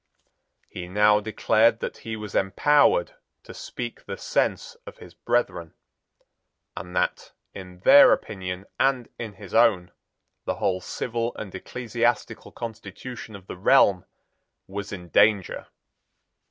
He now declared that he was empowered to speak the sense of his brethren, and that, in their opinion and in his own, the whole civil and ecclesiastical constitution of the realm was in danger.